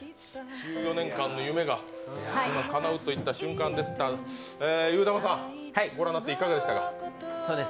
１４年間の夢がかなうといった瞬間でしたが、ゆーだまさん、ご覧になっていかがでした？